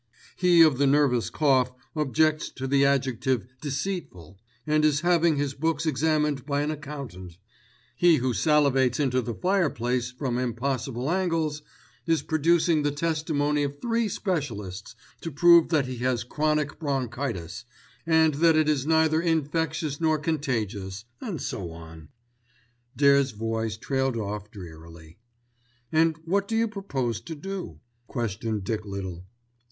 He of the nervous cough objects to the adjective 'deceitful,' and is having his books examined by an accountant He who salivates into the fireplace from impossible angles, is producing the testimony of three specialists to prove that he has chronic bronchitis, and that it is neither infectious nor contagious, and so on." Dare's voice trailed off drearily. "And what do you propose to do?" questioned Dick Little.